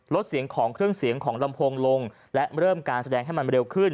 ลดเสียงของเครื่องเสียงของลำโพงลงและเริ่มการแสดงให้มันเร็วขึ้น